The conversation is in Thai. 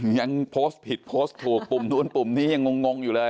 ยังโพสต์ผิดโพสต์ถูกปุ่มนู้นปุ่มนี้ยังงงอยู่เลย